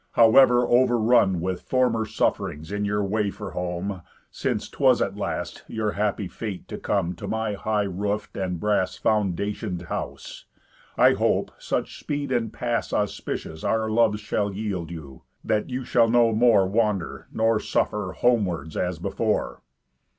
However over run With former suff'rings in your way for home, Since 'twas, at last, your happy fate to come To my high roof'd and brass foundation'd house, I hope, such speed and pass auspicious Our loves shall yield you, that you shall no more Wander, nor suffer, homewards, as before.